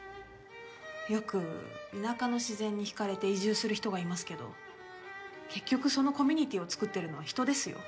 よく田舎の自然に引かれて移住する人がいますけど結局そのコミュニティーを作ってるのは人ですよ。